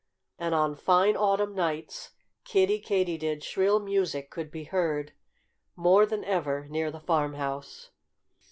And on fine autumn nights Kiddie Katydid's shrill music could be heard more than ever near the farmhouse.